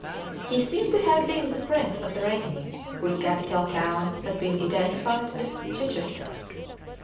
He seems to have been the |>rmce of the Regni, whose capital town has been identified with Chichester.